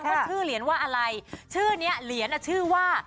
ว่าชื่อเหรียญว่าอะไรชื่อนี้เหรียญชื่อว่า